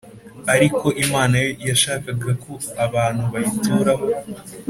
ariko imana yashakaga ko abantu bayituraho.